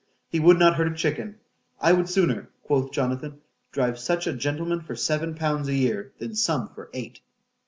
——He would not hurt a chicken.——I would sooner, quoth Jonathan, drive such a gentleman for seven pounds a year—than some for eight.